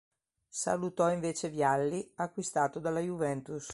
Salutò invece Vialli, acquistato dalla Juventus.